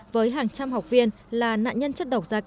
với hàng trăm học viên là nạn nhân chất độc da cam điều xin